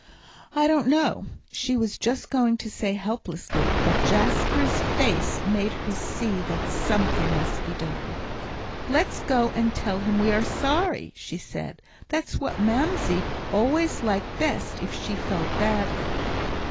"I don't know," she was just going to say helplessly, but Jasper's face made her see that something must be done. "Let's go and tell him we are sorry," she said; "that's what Mamsie always liked best if she felt badly."